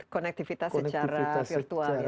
konektivitas secara virtual ya